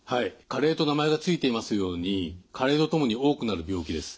加齢と名前が付いていますように加齢とともに多くなる病気です。